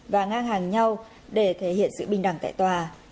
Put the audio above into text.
và ngang hàng nhau để thể hiện sự bình đẳng tại tòa